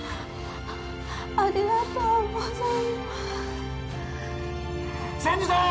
ありがとうございます千住さん